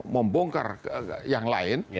membongkar yang lain